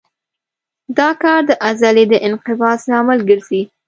دا کار د عضلې د انقباض لامل ګرځي.